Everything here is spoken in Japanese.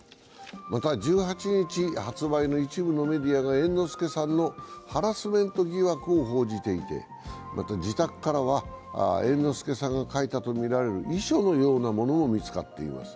また１８日発売の一部のメディアが猿之助さんのハラスメント疑惑を報じていて、また自宅からは、猿之助さんが書いたとみられる遺書のようなものが見つかっています。